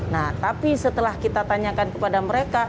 nah tapi setelah kita tanyakan kepada mereka